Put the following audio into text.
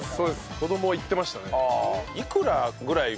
子どもは行ってましたね。